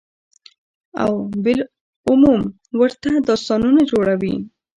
او بالعموم ورته داستانونه جوړوي،